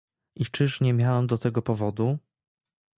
"I czyż nie miałem do tego powodu?"